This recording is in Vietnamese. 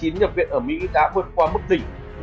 nhập viện ở mỹ đã vượt qua mức tỉnh